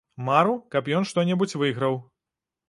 Мару, каб ён што-небудзь выйграў.